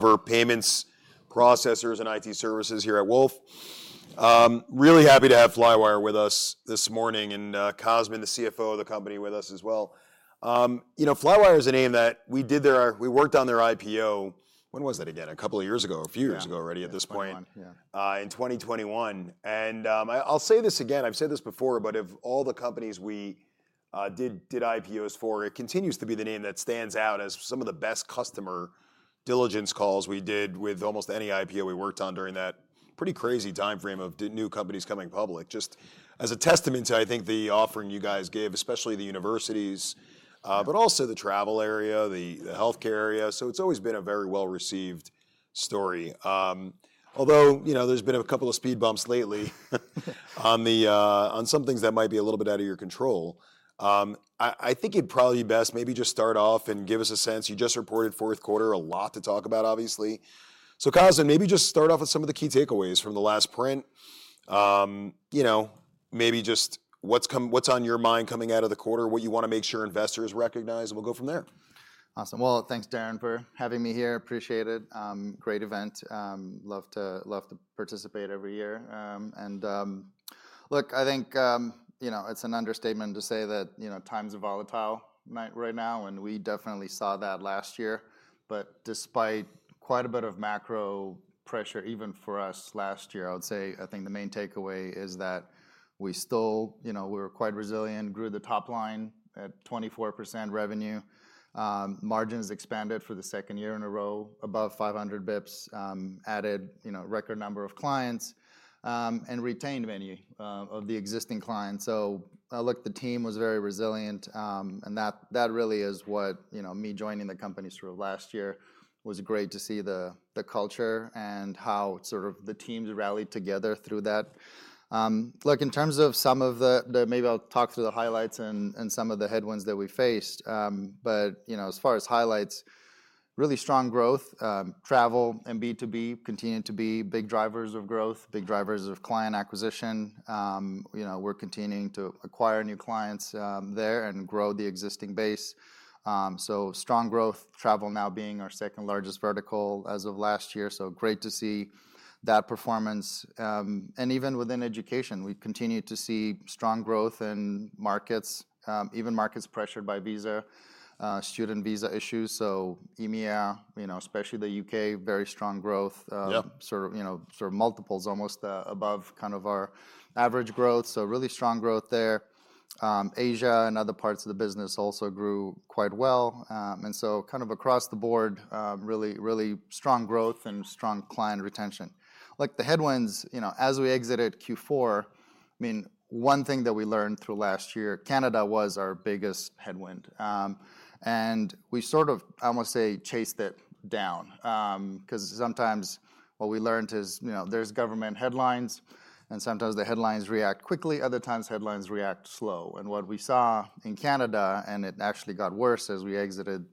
For payments, processors, and IT services here at Wolfe. Really happy to have Flywire with us this morning, and Cosmin, the CFO of the company, with us as well. Flywire is a name that we did their—we worked on their IPO—when was that again? A couple of years ago, a few years ago already at this point. 2021, yeah. In 2021. I'll say this again, I've said this before, but of all the companies we did IPOs for, it continues to be the name that stands out as some of the best customer diligence calls we did with almost any IPO we worked on during that pretty crazy timeframe of new companies coming public. Just as a testament to, I think, the offering you guys gave, especially the universities, but also the travel area, the healthcare area. It's always been a very well-received story. Although there's been a couple of speed bumps lately on some things that might be a little bit out of your control, I think it'd probably be best maybe just start off and give us a sense. You just reported fourth quarter, a lot to talk about, obviously. Cosmin, maybe just start off with some of the key takeaways from the last print. Maybe just what's on your mind coming out of the quarter, what you want to make sure investors recognize, and we'll go from there. Awesome. Thanks, Darrin, for having me here. Appreciate it. Great event. Love to participate every year. Look, I think it's an understatement to say that times are volatile right now, and we definitely saw that last year. Despite quite a bit of macro pressure, even for us last year, I would say, I think the main takeaway is that we still—we were quite resilient, grew the top line at 24% revenue, margins expanded for the second year in a row, above 500 bps, added a record number of clients, and retained many of the existing clients. Look, the team was very resilient, and that really is what me joining the company through last year was great to see, the culture and how the teams rallied together through that. Look, in terms of some of the—maybe I'll talk through the highlights and some of the headwinds that we faced. As far as highlights, really strong growth. Travel and B2B continue to be big drivers of growth, big drivers of client acquisition. We're continuing to acquire new clients there and grow the existing base. Really strong growth, travel now being our second largest vertical as of last year. Great to see that performance. Even within education, we've continued to see strong growth in markets, even markets pressured by student visa issues. EMEA, especially the U.K., very strong growth, sort of multiples almost above kind of our average growth. Really strong growth there. Asia and other parts of the business also grew quite well. Kind of across the board, really strong growth and strong client retention. Look, the headwinds, as we exited Q4, I mean, one thing that we learned through last year, Canada was our biggest headwind. I want to say, chased it down. Because sometimes what we learned is there's government headlines, and sometimes the headlines react quickly. Other times headlines react slow. What we saw in Canada, and it actually got worse as we exited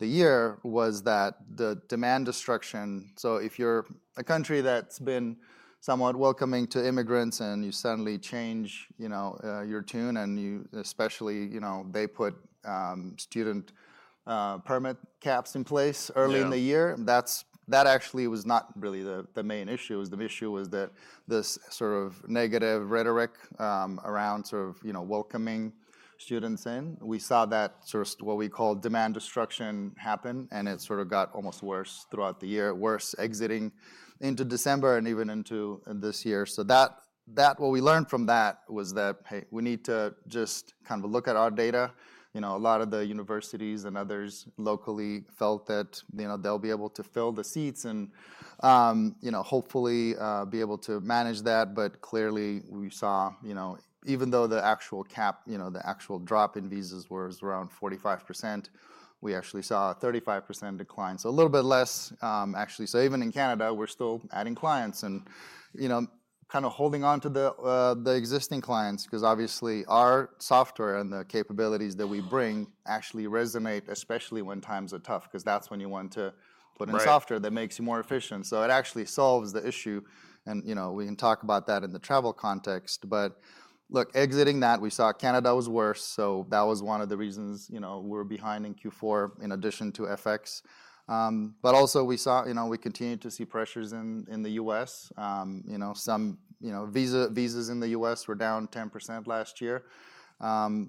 the year, was that the demand destruction. If you're a country that's been somewhat welcoming to immigrants and you suddenly change your tune, and especially they put student permit caps in place early in the year, that actually was not really the main issue. The issue was that this sort of negative rhetoric around welcoming students in. We saw that sort of what we call demand destruction happen, and it sort of got almost worse throughout the year, worse exiting into December and even into this year. What we learned from that was that, hey, we need to just kind of look at our data. A lot of the universities and others locally felt that they'll be able to fill the seats and hopefully be able to manage that. Clearly, we saw, even though the actual cap, the actual drop in visas was around 45%, we actually saw a 35% decline. A little bit less, actually. Even in Canada, we're still adding clients and kind of holding on to the existing clients. Obviously, our software and the capabilities that we bring actually resonate, especially when times are tough, because that's when you want to put in software that makes you more efficient. It actually solves the issue. We can talk about that in the travel context. Look, exiting that, we saw Canada was worse. That was one of the reasons we were behind in Q4 in addition to FX. We continued to see pressures in the U.S. Some visas in the U.S. were down 10% last year.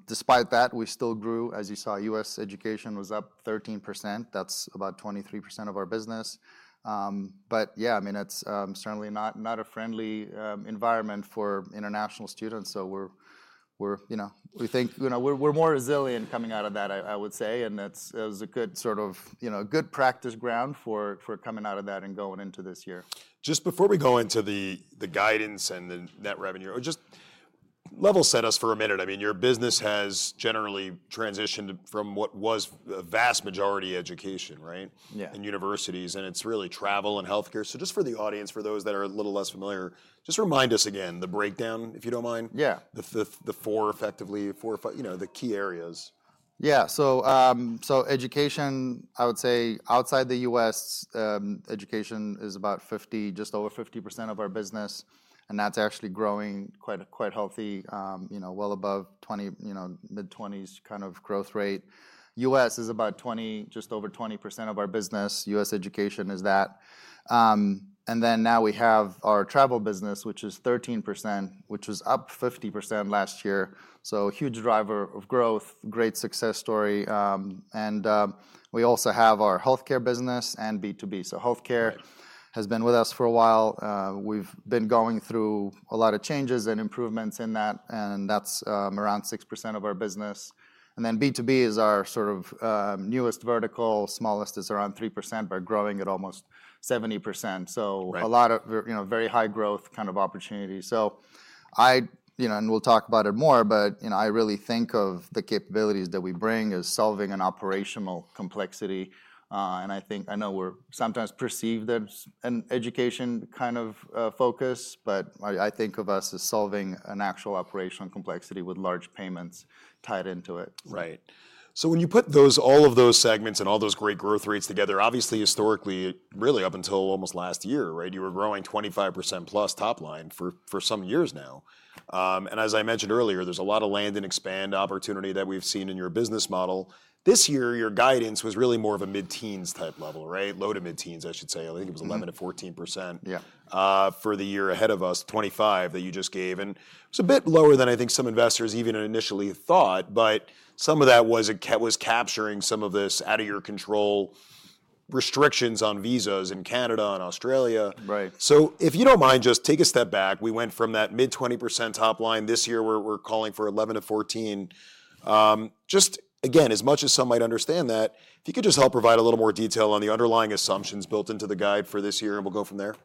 Despite that, we still grew. As you saw, U.S. education was up 13%. That is about 23% of our business. Yeah, I mean, it is certainly not a friendly environment for international students. We think we are more resilient coming out of that, I would say. It was a good sort of good practice ground for coming out of that and going into this year. Just before we go into the guidance and the net revenue, just level set us for a minute. I mean, your business has generally transitioned from what was a vast majority education, right, and universities, and it is really travel and healthcare. Just for the audience, for those that are a little less familiar, just remind us again the breakdown, if you do not mind. Yeah. The four, effectively, the key areas. Yeah. Education, I would say outside the U.S., education is about just over 50% of our business. That's actually growing quite healthy, well above mid-20s kind of growth rate. U.S. is about just over 20% of our business. U.S. education is that. Now we have our travel business, which is 13%, which was up 50% last year. A huge driver of growth, great success story. We also have our healthcare business and B2B. Healthcare has been with us for a while. We've been going through a lot of changes and improvements in that. That's around 6% of our business. B2B is our sort of newest vertical. Smallest is around 3%, but growing at almost 70%. A lot of very high growth kind of opportunity. We will talk about it more, but I really think of the capabilities that we bring as solving an operational complexity. I know we are sometimes perceived as an education kind of focus, but I think of us as solving an actual operational complexity with large payments tied into it. Right. When you put all of those segments and all those great growth rates together, obviously, historically, really up until almost last year, you were growing 25%+ top line for some years now. As I mentioned earlier, there's a lot of land and expand opportunity that we've seen in your business model. This year, your guidance was really more of a mid-teens type level, low to mid-teens, I should say. I think it was 11%-14% for the year ahead of us, 25% that you just gave. It was a bit lower than I think some investors even initially thought. Some of that was capturing some of this out of your control restrictions on visas in Canada and Australia. If you don't mind, just take a step back. We went from that mid-20% top line this year. We're calling for 11%-14%. Just again, as much as some might understand that, if you could just help provide a little more detail on the underlying assumptions built into the guide for this year, and we'll go from there.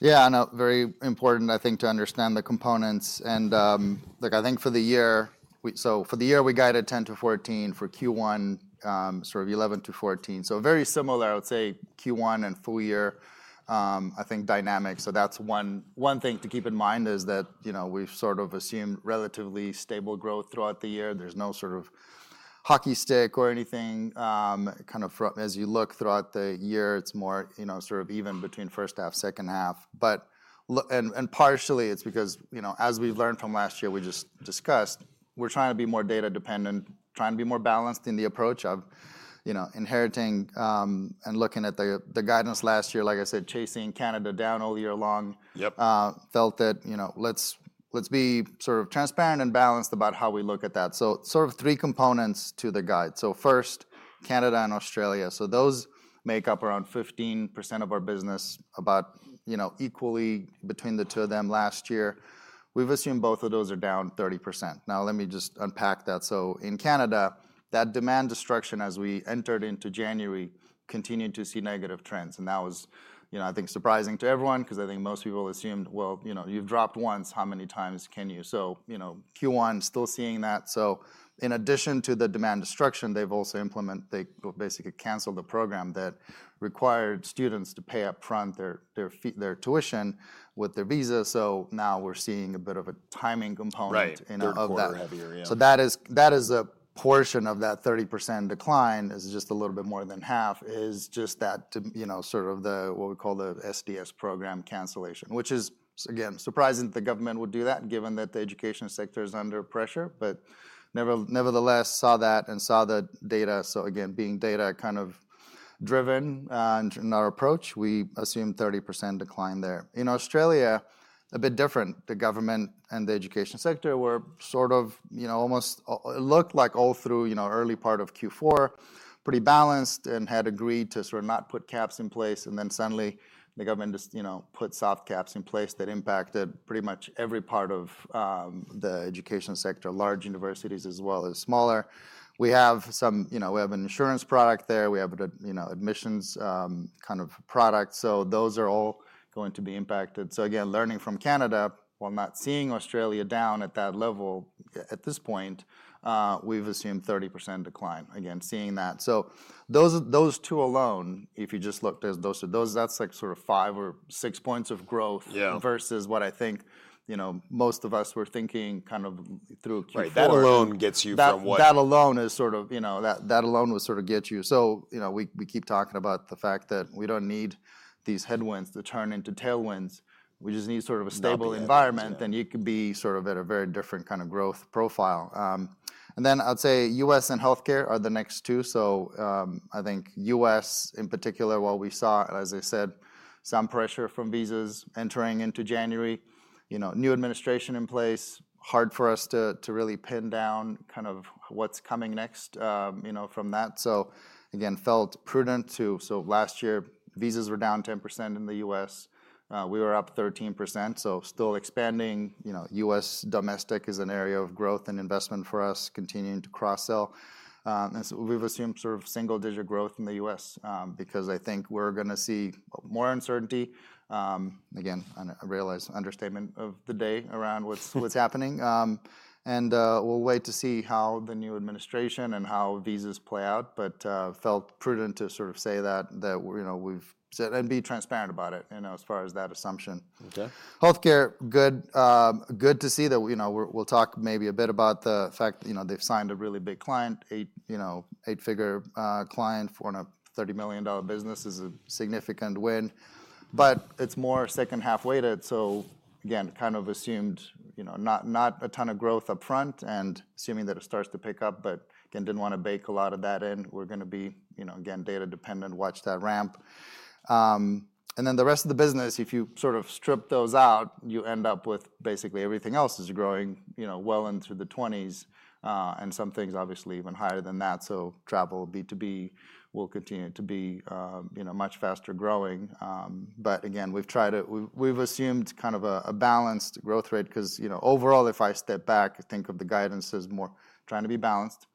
Yeah. Very important, I think, to understand the components. Look, I think for the year, so for the year, we guided 10%-14%. For Q1, sort of 11%-14%. Very similar, I would say, Q1 and full year, I think, dynamics. One thing to keep in mind is that we've sort of assumed relatively stable growth throughout the year. There's no sort of hockey stick or anything. Kind of as you look throughout the year, it's more sort of even between first half, second half. Partially, it's because as we've learned from last year, we just discussed, we're trying to be more data dependent, trying to be more balanced in the approach of inheriting and looking at the guidance last year. Like I said, chasing Canada down all year long, felt that let's be sort of transparent and balanced about how we look at that. So sort of three components to the guide. First, Canada and Australia. Those make up around 15% of our business, about equally between the two of them last year. We've assumed both of those are down 30%. Now, let me just unpack that. In Canada, that demand destruction as we entered into January continued to see negative trends. That was, I think, surprising to everyone because I think most people assumed, well, you've dropped once, how many times can you? Q1, still seeing that. In addition to the demand destruction, they've also implemented, they basically canceled the program that required students to pay upfront their tuition with their visa. Now we're seeing a bit of a timing component of that. Right. That is a portion of that 30% decline, is just a little bit more than half, is just that sort of what we call the SDS program cancellation, which is, again, surprising that the government would do that given that the education sector is under pressure. Nevertheless, saw that and saw the data. Again, being data kind of driven in our approach, we assumed 30% decline there. In Australia, a bit different. The government and the education sector were sort of almost looked like all through early part of Q4, pretty balanced and had agreed to sort of not put caps in place. Suddenly, the government just put soft caps in place that impacted pretty much every part of the education sector, large universities as well as smaller. We have some, we have an insurance product there. We have an admissions kind of product. Those are all going to be impacted. Again, learning from Canada, while not seeing Australia down at that level at this point, we've assumed 30% decline. Again, seeing that. Those two alone, if you just look, that's like sort of five or six points of growth versus what I think most of us were thinking kind of through Q4. Right. That alone gets you from what? That alone would sort of get you. We keep talking about the fact that we don't need these headwinds to turn into tailwinds. We just need sort of a stable environment, then you could be at a very different kind of growth profile. I'd say U.S. and healthcare are the next two. I think U.S. in particular, while we saw, as I said, some pressure from visas entering into January, new administration in place, hard for us to really pin down what's coming next from that. Again, felt prudent too. Last year, visas were down 10% in the U.S. We were up 13%. Still expanding. U.S. domestic is an area of growth and investment for us, continuing to cross-sell. We've assumed sort of single-digit growth in the U.S. because I think we're going to see more uncertainty. I realize understatement of the day around what's happening. We'll wait to see how the new administration and how visas play out. Felt prudent to sort of say that we've said and be transparent about it as far as that assumption. Healthcare, good to see that we'll talk maybe a bit about the fact they've signed a really big client, eight-figure client for a $30 million business is a significant win. It's more second half weighted. Again, kind of assumed not a ton of growth upfront and assuming that it starts to pick up, but didn't want to bake a lot of that in. We're going to be, again, data dependent, watch that ramp. Then the rest of the business, if you sort of strip those out, you end up with basically everything else is growing well into the 20s. Some things obviously even higher than that. Travel, B2B will continue to be much faster growing. Again, we've assumed kind of a balanced growth rate. Overall, if I step back, think of the guidance as more trying to be balanced,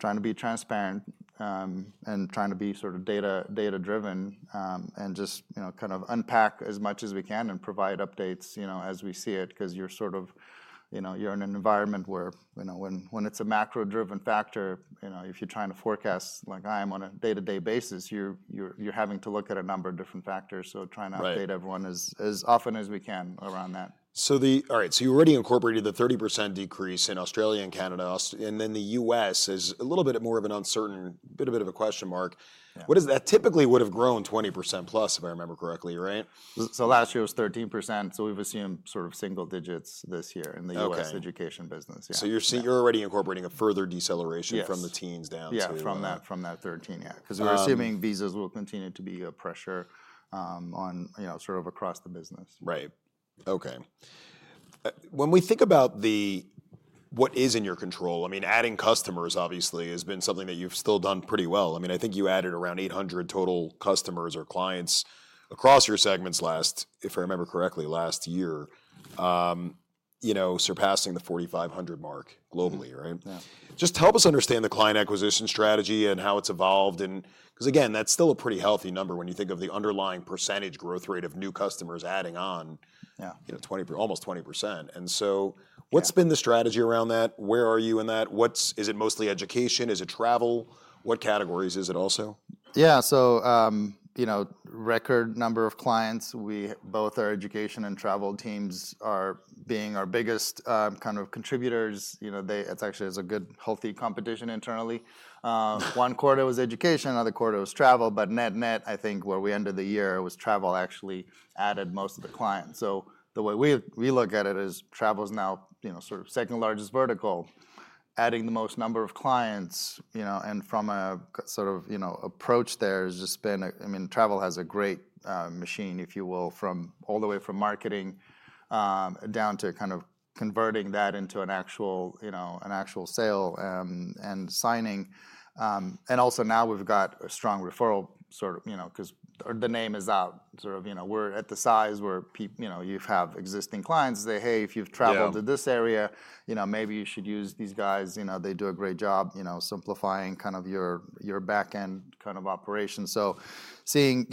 trying to be transparent, and trying to be sort of data-driven, and just kind of unpack as much as we can and provide updates as we see it. You're sort of in an environment where when it's a macro-driven factor, if you're trying to forecast like I am on a day-to-day basis, you're having to look at a number of different factors. Trying to update everyone as often as we can around that. All right. You already incorporated the 30% decrease in Australia and Canada. The U.S. is a little bit more of an uncertain, bit of a question mark. That typically would have grown 20%+, if I remember correctly, right? Last year was 13%. We've assumed sort of single digits this year in the U.S. education business. You're already incorporating a further deceleration from the teens down to. Yeah, from that 13%, yeah. Because we're assuming visas will continue to be a pressure on sort of across the business. Right. Okay. When we think about what is in your control, I mean, adding customers, obviously, has been something that you've still done pretty well. I mean, I think you added around 800 total customers or clients across your segments last, if I remember correctly, last year, surpassing the 4,500 mark globally, right? Yeah. Just help us understand the client acquisition strategy and how it's evolved. Because again, that's still a pretty healthy number when you think of the underlying percentage growth rate of new customers adding on almost 20%. What's been the strategy around that? Where are you in that? Is it mostly education? Is it travel? What categories is it also? Yeah. Record number of clients, both our education and travel teams are being our biggest kind of contributors. It actually is a good healthy competition internally. One quarter was education, another quarter was travel. Net-net, I think where we ended the year was travel actually added most of the clients. The way we look at it is travel is now sort of second largest vertical, adding the most number of clients. From a sort of approach there, it's just been, I mean, travel has a great machine, if you will, all the way from marketing down to kind of converting that into an actual sale and signing. Also now we've got a strong referral sort of because the name is out. Sort of we're at the size where you have existing clients say, "Hey, if you've traveled to this area, maybe you should use these guys. They do a great job simplifying kind of your backend kind of operation." Seeing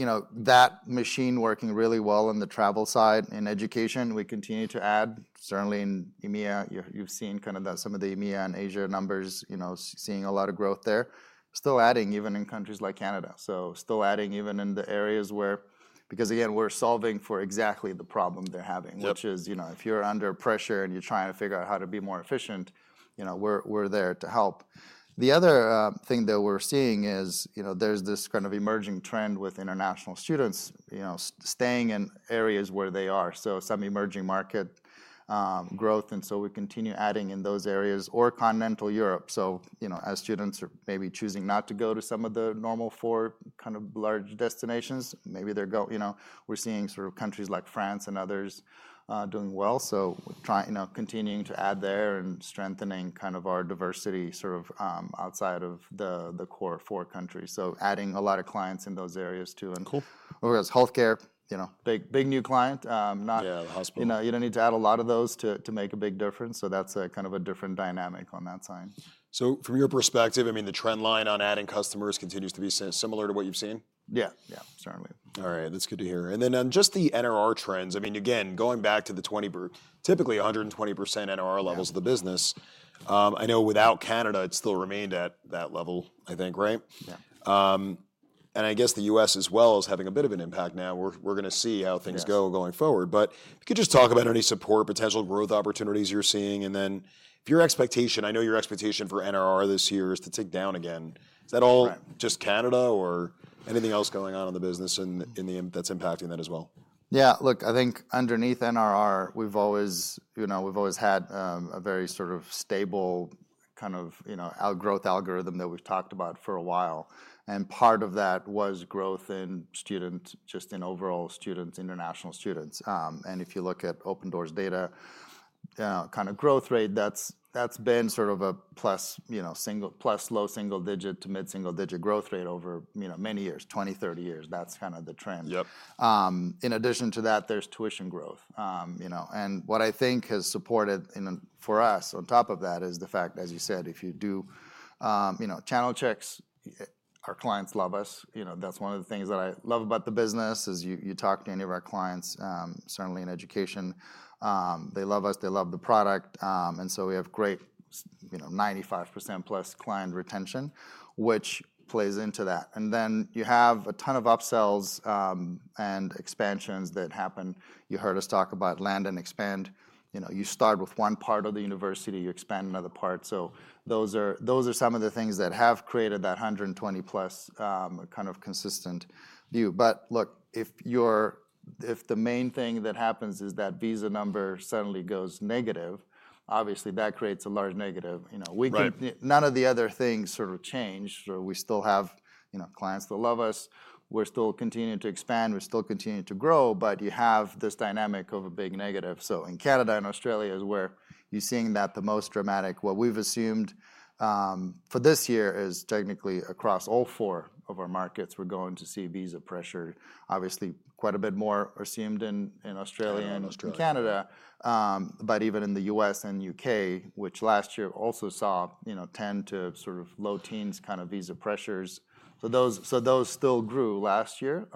that machine working really well on the travel side. In education, we continue to add. Certainly in EMEA, you've seen kind of some of the EMEA and Asia numbers, seeing a lot of growth there. Still adding even in countries like Canada. Still adding even in the areas where because again, we're solving for exactly the problem they're having, which is if you're under pressure and you're trying to figure out how to be more efficient, we're there to help. The other thing that we're seeing is there's this kind of emerging trend with international students staying in areas where they are. Some emerging market growth. We continue adding in those areas or Continental Europe. As students are maybe choosing not to go to some of the normal four kind of large destinations, maybe they're going, we're seeing sort of countries like France and others doing well. Continuing to add there and strengthening kind of our diversity sort of outside of the core four countries. Adding a lot of clients in those areas too. Cool. Whereas healthcare, big new client. Yeah, the hospital. You don't need to add a lot of those to make a big difference. That's kind of a different dynamic on that side. From your perspective, I mean, the trend line on adding customers continues to be similar to what you've seen? Yeah. Yeah, certainly. All right. That's good to hear. And then on just the NRR trends, I mean, again, going back to the typically 120% NRR levels of the business, I know without Canada, it still remained at that level, I think, right? Yeah. I guess the U.S. as well is having a bit of an impact now. We're going to see how things go going forward. If you could just talk about any support, potential growth opportunities you're seeing. If your expectation, I know your expectation for NRR this year is to tick down again. Is that all just Canada or anything else going on in the business that's impacting that as well? Yeah. Look, I think underneath NRR, we've always had a very sort of stable kind of growth algorithm that we've talked about for a while. Part of that was growth in students, just in overall students, international students. If you look at Open Doors data kind of growth rate, that's been sort of a plus low single digit to mid-single digit growth rate over many years, 20, 30 years. That's kind of the trend. In addition to that, there's tuition growth. What I think has supported for us on top of that is the fact, as you said, if you do channel checks, our clients love us. That's one of the things that I love about the business is you talk to any of our clients, certainly in education. They love us. They love the product. We have great 95%+ client retention, which plays into that. Then you have a ton of upsells and expansions that happen. You heard us talk about land and expand. You start with one part of the university, you expand another part. Those are some of the things that have created that 120+ kind of consistent view. Look, if the main thing that happens is that visa number suddenly goes negative, obviously that creates a large negative. None of the other things sort of change. We still have clients that love us. We're still continuing to expand. We're still continuing to grow. You have this dynamic of a big negative. In Canada and Australia is where you're seeing that the most dramatic. What we've assumed for this year is technically across all four of our markets, we're going to see visa pressure, obviously quite a bit more assumed in Australia and in Canada. Even in the U.S. and U.K., which last year also saw 10% to sort of low teens kind of visa pressures. Those still grew last year.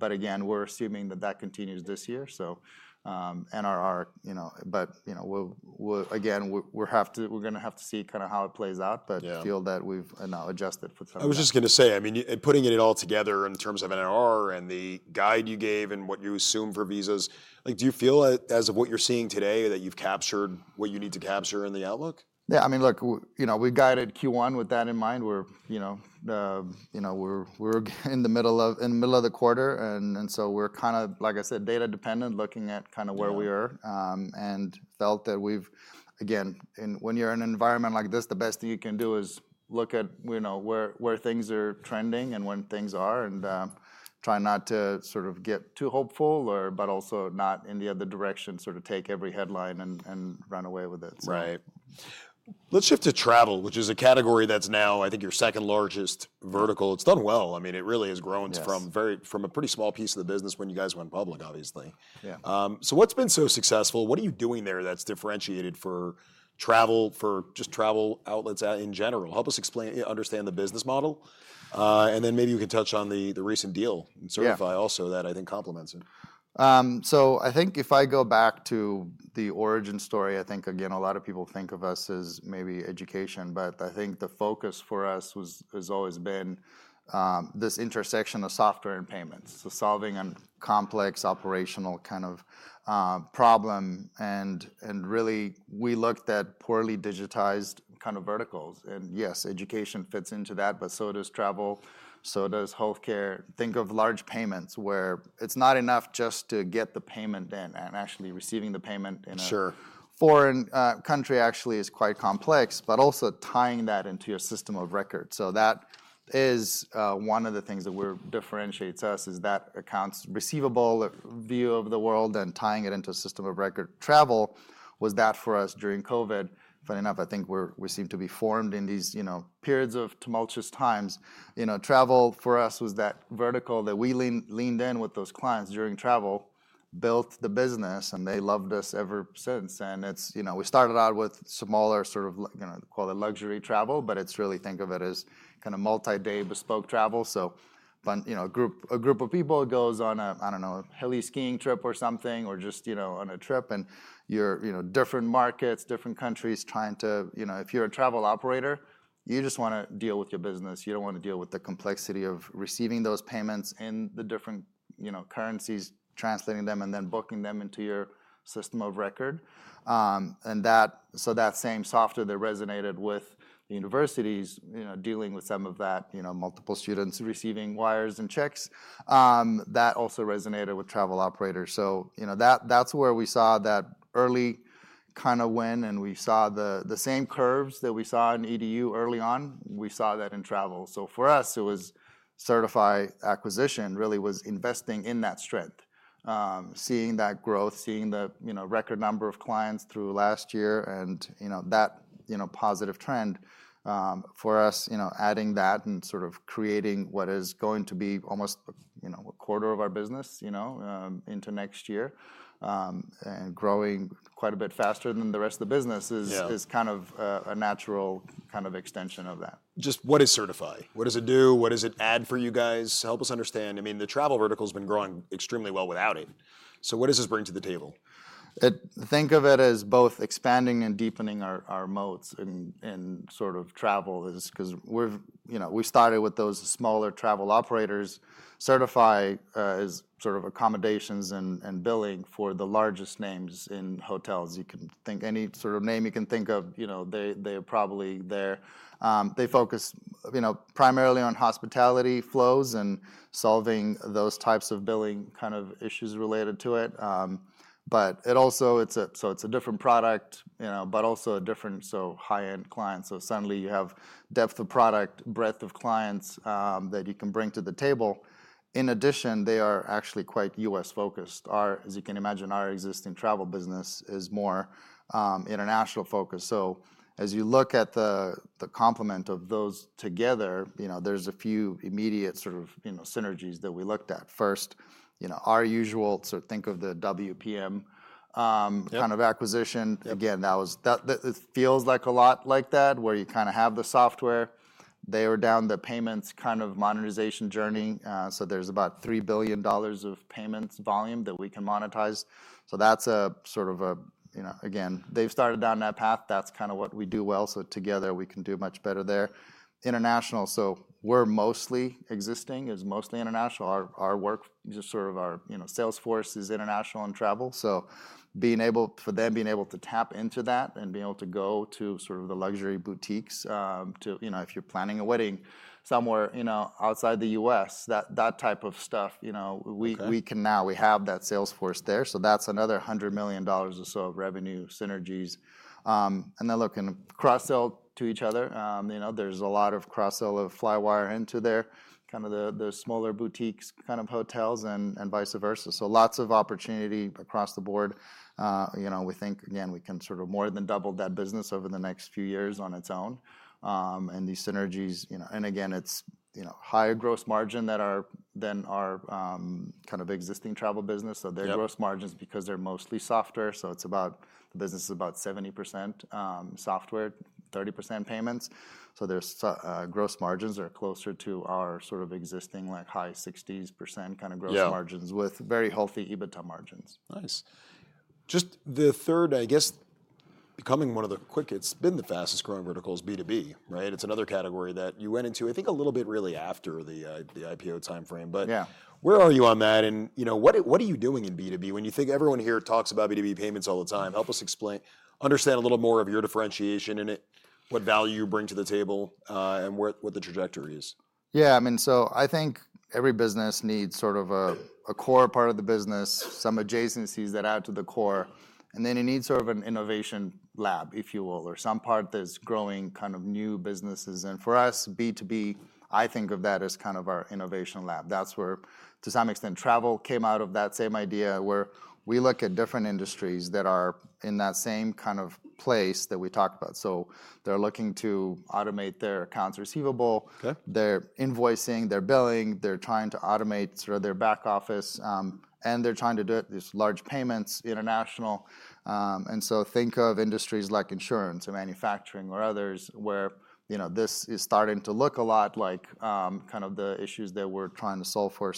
Again, we're assuming that that continues this year. NRR, again, we're going to have to see kind of how it plays out. I feel that we've now adjusted for. I was just going to say, I mean, putting it all together in terms of NRR and the guide you gave and what you assume for visas, do you feel as of what you're seeing today that you've captured what you need to capture in the outlook? Yeah. I mean, look, we guided Q1 with that in mind. We're in the middle of the quarter. And so we're kind of, like I said, data dependent, looking at kind of where we are. And felt that we've, again, when you're in an environment like this, the best thing you can do is look at where things are trending and when things are and try not to sort of get too hopeful, but also not in the other direction, sort of take every headline and run away with it. Right. Let's shift to travel, which is a category that's now, I think, your second largest vertical. It's done well. I mean, it really has grown from a pretty small piece of the business when you guys went public, obviously. What has been so successful? What are you doing there that's differentiated for travel, for just travel outlets in general? Help us understand the business model. Maybe we can touch on the recent deal and Sertifi also that I think complements it. I think if I go back to the origin story, I think, again, a lot of people think of us as maybe education. I think the focus for us has always been this intersection of software and payments. Solving a complex operational kind of problem. Really, we looked at poorly digitized kind of verticals. Yes, education fits into that, but so does travel. So does healthcare. Think of large payments where it's not enough just to get the payment in and actually receiving the payment in a foreign country actually is quite complex, but also tying that into your system of record. That is one of the things that differentiates us, is that accounts receivable view of the world and tying it into a system of record. Travel was that for us during COVID. Funny enough, I think we seem to be formed in these periods of tumultuous times. Travel for us was that vertical that we leaned in with those clients during travel, built the business, and they loved us ever since. We started out with smaller sort of, call it luxury travel, but it's really think of it as kind of multi-day bespoke travel. A group of people goes on a, I don't know, heli-skiing trip or something or just on a trip. You are different markets, different countries trying to, if you're a travel operator, you just want to deal with your business. You don't want to deal with the complexity of receiving those payments in the different currencies, translating them, and then booking them into your system of record. That same software that resonated with the universities dealing with some of that multiple students receiving wires and checks, that also resonated with travel operators. That is where we saw that early kind of win. We saw the same curves that we saw in EDU early on. We saw that in travel. For us, it was Sertifi acquisition really was investing in that strength, seeing that growth, seeing the record number of clients through last year and that positive trend. For us, adding that and sort of creating what is going to be almost a quarter of our business into next year and growing quite a bit faster than the rest of the business is kind of a natural kind of extension of that. Just what is Sertifi? What does it do? What does it add for you guys? Help us understand. I mean, the travel vertical has been growing extremely well without it. What does this bring to the table? Think of it as both expanding and deepening our moats in sort of travel. Because we started with those smaller travel operators, Sertifi as sort of accommodations and billing for the largest names in hotels. You can think any sort of name you can think of, they are probably there. They focus primarily on hospitality flows and solving those types of billing kind of issues related to it. It is a different product, but also a different so high-end client. Suddenly you have depth of product, breadth of clients that you can bring to the table. In addition, they are actually quite US-focused. As you can imagine, our existing travel business is more international focused. As you look at the complement of those together, there are a few immediate sort of synergies that we looked at. First, our usual, so think of the WPM kind of acquisition. Again, that feels like a lot like that where you kind of have the software. They are down the payments kind of monetization journey. There is about $3 billion of payments volume that we can monetize. That is a sort of a, again, they have started down that path. That is kind of what we do well. Together we can do much better there. International, so where we are mostly existing is mostly international. Our work, just sort of our sales force is international and travel. For them, being able to tap into that and being able to go to sort of the luxury boutiques, if you are planning a wedding somewhere outside the U.S., that type of stuff, we can now, we have that sales force there. That is another $100 million or so of revenue synergies. Looking at cross-sell to each other, there's a lot of cross-sell of Flywire into their kind of smaller boutiques, kind of hotels, and vice versa. Lots of opportunity across the board. We think, again, we can sort of more than double that business over the next few years on its own. These synergies, and again, it's higher gross margin than our kind of existing travel business. Their gross margins, because they're mostly software, so the business is about 70% software, 30% payments. Their gross margins are closer to our sort of existing high 60% kind of gross margins with very healthy EBITDA margins. Nice. Just the third, I guess, becoming one of the quickest, been the fastest growing vertical is B2B, right? It's another category that you went into, I think, a little bit really after the IPO time frame. Where are you on that? What are you doing in B2B? When you think everyone here talks about B2B payments all the time, help us explain, understand a little more of your differentiation and what value you bring to the table and what the trajectory is. Yeah. I mean, I think every business needs sort of a core part of the business, some adjacencies that add to the core. It needs sort of an innovation lab, if you will, or some part that's growing kind of new businesses. For us, B2B, I think of that as kind of our innovation lab. That's where, to some extent, travel came out of that same idea where we look at different industries that are in that same kind of place that we talked about. They're looking to automate their accounts receivable, their invoicing, their billing. They're trying to automate sort of their back office. They're trying to do these large payments international. Think of industries like insurance or manufacturing or others where this is starting to look a lot like kind of the issues that we're trying to solve for.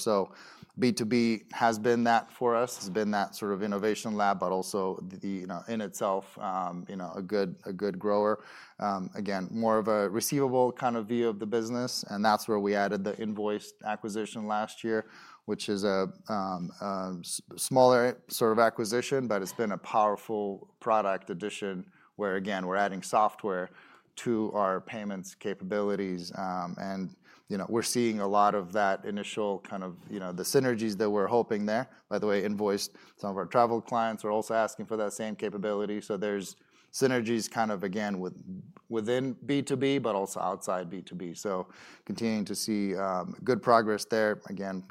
B2B has been that for us, has been that sort of innovation lab, but also in itself a good grower. Again, more of a receivable kind of view of the business. That is where we added the Invoiced acquisition last year, which is a smaller sort of acquisition, but it is been a powerful product addition where, again, we are adding software to our payments capabilities. We are seeing a lot of that initial kind of the synergies that we are hoping there. By the way, Invoiced, some of our travel clients are also asking for that same capability. There are synergies kind of, again, within B2B, but also outside B2B. Continuing to see good progress there. Again,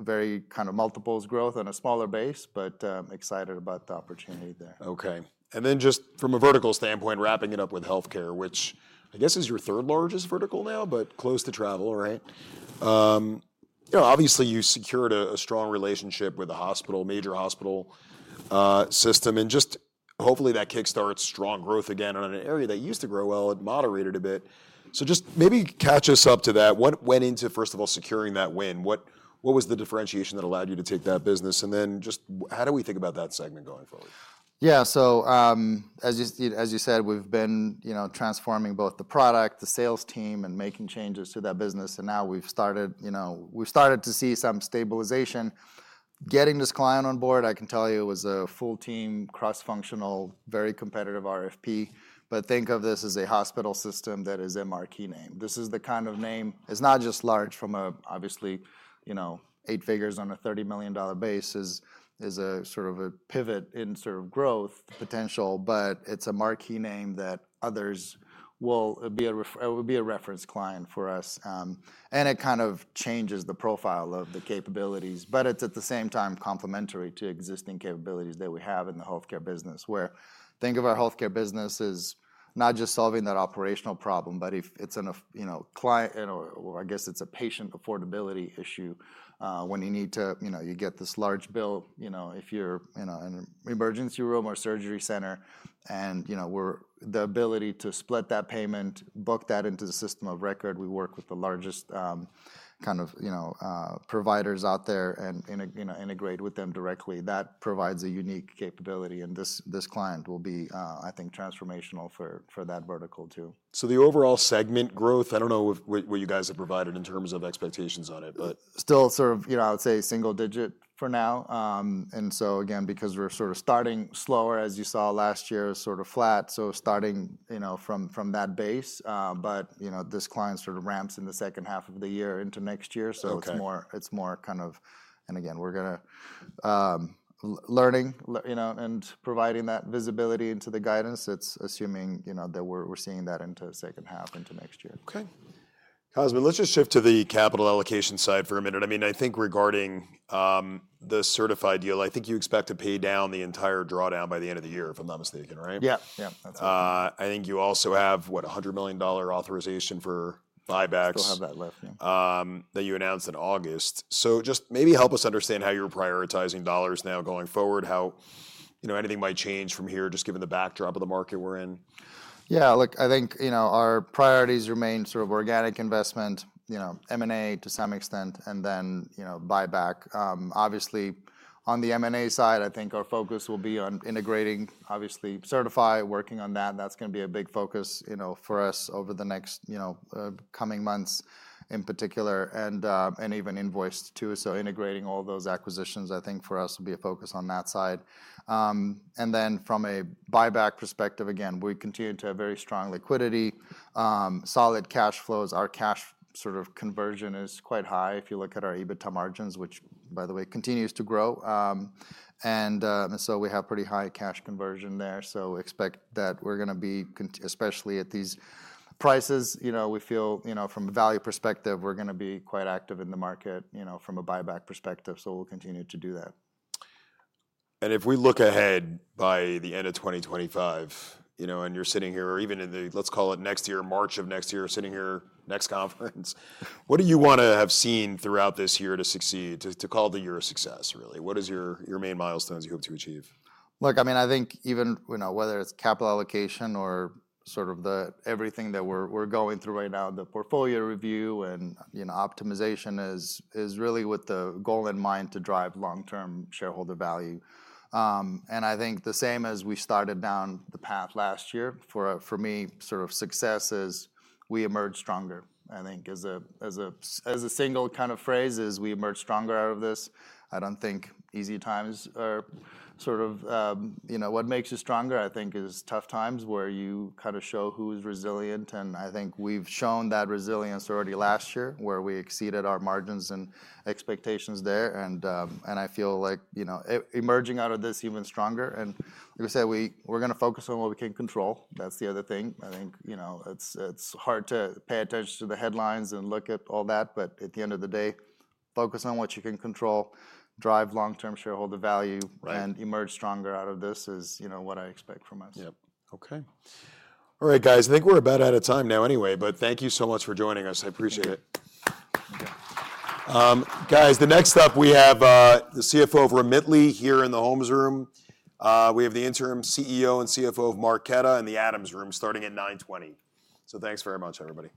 very kind of multiples growth on a smaller base, but excited about the opportunity there. Okay. And then just from a vertical standpoint, wrapping it up with healthcare, which I guess is your third largest vertical now, but close to travel, right? Obviously, you secured a strong relationship with a hospital, major hospital system. Just hopefully that kickstarts strong growth again in an area that used to grow well, it moderated a bit. Just maybe catch us up to that. What went into, first of all, securing that win? What was the differentiation that allowed you to take that business? Just how do we think about that segment going forward? Yeah. As you said, we've been transforming both the product, the sales team, and making changes to that business. Now we've started to see some stabilization. Getting this client on board, I can tell you it was a full team, cross-functional, very competitive RFP. Think of this as a hospital system that is a marquee name. This is the kind of name, it's not just large from obviously eight figures on a $30 million base, is a sort of a pivot in sort of growth potential, but it's a marquee name that others will be a reference client for us. It kind of changes the profile of the capabilities, but it's at the same time complementary to existing capabilities that we have in the healthcare business, where think of our healthcare business as not just solving that operational problem, but if it's a client, or I guess it's a patient affordability issue when you need to, you get this large bill if you're in an emergency room or surgery center. The ability to split that payment, book that into the system of record, we work with the largest kind of providers out there and integrate with them directly. That provides a unique capability. This client will be, I think, transformational for that vertical too. The overall segment growth, I don't know what you guys have provided in terms of expectations on it, but. Still sort of, I would say single digit for now. Again, because we're sort of starting slower, as you saw last year, sort of flat, so starting from that base. This client sort of ramps in the second half of the year into next year. It is more kind of, and again, we're learning and providing that visibility into the guidance. It's assuming that we're seeing that into the second half into next year. Okay. Cosmin, let's just shift to the capital allocation side for a minute. I mean, I think regarding the Sertifi deal, I think you expect to pay down the entire drawdown by the end of the year, if I'm not mistaken, right? Yeah. Yeah. I think you also have, what, $100 million authorization for buybacks. Still have that left. That you announced in August. Just maybe help us understand how you're prioritizing dollars now going forward, how anything might change from here, just given the backdrop of the market we're in. Yeah. Look, I think our priorities remain sort of organic investment, M&A to some extent, and then buyback. Obviously, on the M&A side, I think our focus will be on integrating, obviously, Sertifi, working on that. That's going to be a big focus for us over the next coming months in particular, and even Invoiced too. Integrating all those acquisitions, I think for us will be a focus on that side. From a buyback perspective, again, we continue to have very strong liquidity, solid cash flows. Our cash sort of conversion is quite high if you look at our EBITDA margins, which, by the way, continues to grow. We have pretty high cash conversion there. Expect that we're going to be, especially at these prices, we feel from a value perspective, we're going to be quite active in the market from a buyback perspective. We'll continue to do that. If we look ahead by the end of 2025, and you're sitting here, or even in the, let's call it next year, March of next year, sitting here next conference, what do you want to have seen throughout this year to succeed, to call it the year of success, really? What is your main milestones you hope to achieve? Look, I mean, I think even whether it's capital allocation or sort of everything that we're going through right now, the portfolio review and optimization is really with the goal in mind to drive long-term shareholder value. I think the same as we started down the path last year, for me, sort of success is we emerge stronger. I think as a single kind of phrase is we emerge stronger out of this. I don't think easy times are sort of what makes you stronger, I think, is tough times where you kind of show who is resilient. I think we've shown that resilience already last year where we exceeded our margins and expectations there. I feel like emerging out of this even stronger. Like I said, we're going to focus on what we can control. That's the other thing. I think it's hard to pay attention to the headlines and look at all that, but at the end of the day, focus on what you can control, drive long-term shareholder value, and emerge stronger out of this is what I expect from us. Yep. Okay. All right, guys. I think we're about out of time now anyway, but thank you so much for joining us. I appreciate it. Guys, next up, we have the CFO of Remitly here in the Holmes room. We have the Interim CEO and CFO of Marqeta in the Adams room starting at 9:20. Thanks very much, everybody.